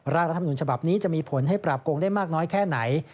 รัฐมนุนฉบับนี้จะมีผลให้ปราบโกงได้มากน้อยแค่ไหน